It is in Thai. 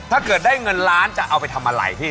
ถ้าเกิดได้เงินล้านจะเอาไปทำอะไรพี่